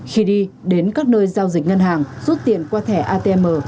khi đi đến các nơi giao dịch ngân hàng rút tiền qua thẻ atm